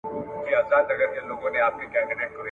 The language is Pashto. رغړېدم چي له کعبې تر سومناته ..